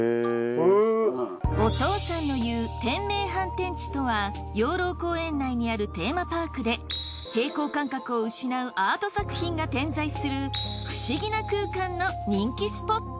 お父さんの言う天命反転地とは養老公園内にあるテーマパークで平衡感覚を失うアート作品が点在する不思議な空間の人気スポット。